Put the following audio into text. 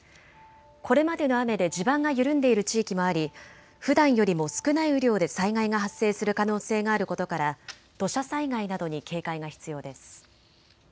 これまでの雨で地盤が緩んでいる地域もあり、ふだんよりも少ない雨量で災害が発生する可能性があることから土砂災害などに警戒が必要です。